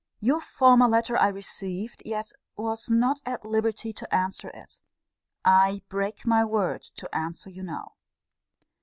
Your former letter I received; yet was not at liberty to answer it. I break my word to answer you now.